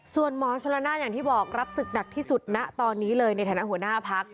ส่วนหมอชนละนานอย่างที่บอกรับศึกหนักที่สุดณตอนนี้เลยในฐานะหัวหน้าพัก